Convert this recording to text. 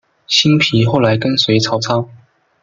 辛毗后来跟随曹操。